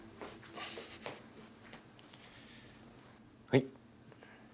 はい。